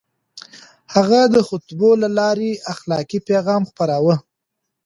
هغه د خطبو له لارې اخلاقي پيغام خپراوه.